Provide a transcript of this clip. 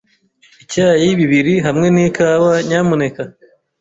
Icyayi bibiri hamwe nikawa, nyamuneka.